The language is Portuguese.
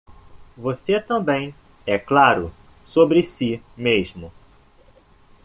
Você também é claro sobre si mesmo